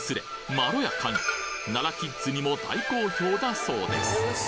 まろやかに奈良キッズにも大好評だそうです